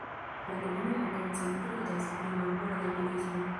La komunumo koncentriĝas pri marborda turismo.